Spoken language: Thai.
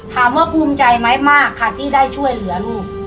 ถามว่าภูมิใจไหมมากค่ะที่ได้ช่วยเหลือลูก